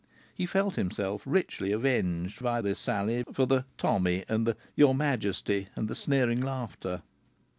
He felt himself richly avenged by this sally for the "Tommy" and the "your majesty" and the sneering laughter.